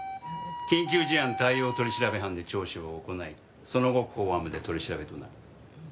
緊急事案対応取調班で聴取を行いその後公安部で取り調べとなる。